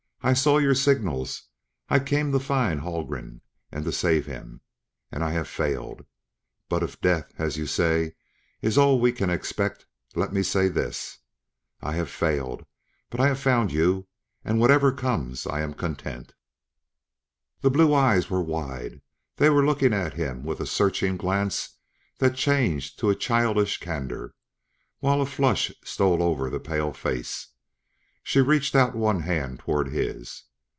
I saw your signals. I came to find Haldgren and to save him. And I have failed. But if death, as you say, is all we can expect, let me say this: 'I have failed, but I have found you; and whatever comes I am content.'" The blue eyes were wide; they were looking at him with a searching glance that changed to a childish candor while a flush stole over the pale face. She reached out one hand toward his.